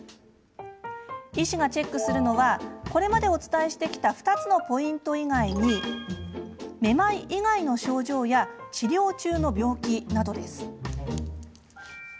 医師がチェックするのはこれまでお伝えしてきた２つのポイント以外にめまい以外の症状や治療中の病気などです。